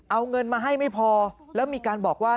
เอาเงินมาให้ไม่พอแล้วมีการบอกว่า